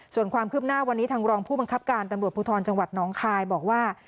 ส่วนความคืบหน้าวันนี้ทางรองผู้บังคับการตำรวจภูทรจังหวัดน้องคายบอกว่า